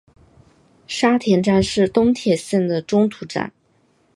沙田站是东铁线的中途站。